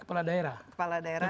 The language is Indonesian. kepala daerah dan wilayahnya dimana